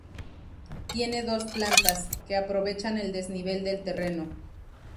Tiene dos plantas, que aprovechan el desnivel del terreno.